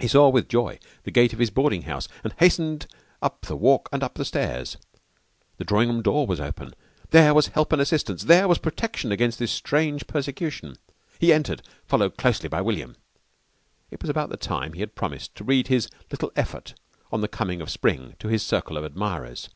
He saw with joy the gate of his boarding house and hastened up the walk and up the stairs. The drawing room door was open. There was help and assistance, there was protection against this strange persecution. He entered, followed closely by William. It was about the time he had promised to read his "little effort" on the Coming of Spring to his circle of admirers.